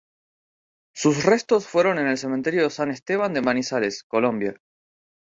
Sus restos fueron en el cementerio San Esteban de Manizales, Colombia.